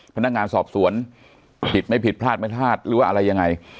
พนักงานสอบสวนผิดไม่ผิดพลาดไม่พลาดหรือว่าอะไรยังไง